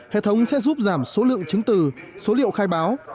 hệ thống sẽ giúp giảm số lượng chứng từ số liệu khai báo